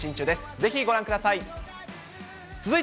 ぜひご覧ください。